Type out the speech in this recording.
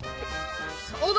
そうだ！